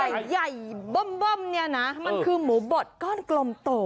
ไอ๋ไข่ไยบ้ำนี้น่ะมันคือหมูบดก้อนกลมโต